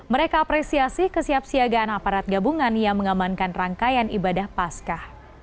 mereka apresiasi kesiapsiagaan aparat gabungan yang mengamankan rangkaian ibadah pasca